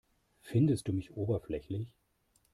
Findest du mich oberflächlich?